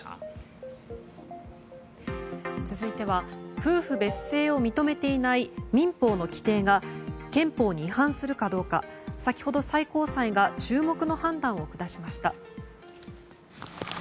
続いては夫婦別姓を認めていない民法の規定が憲法に違反するかどうか先ほど、最高裁が注目の判断を下しました。